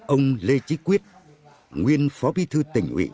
ông lê chí quyết nguyên phó bí thư tỉnh ủy